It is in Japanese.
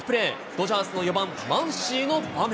ドジャースの４番マンシーの場面。